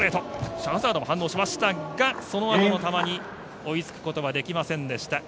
シャハザードも反応しましたがそのあとの球に追いつくことはできませんでした。